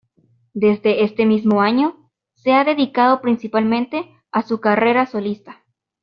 Desde este mismo año se ha dedicado principalmente a su carrera solista.